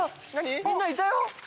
みんないたよ。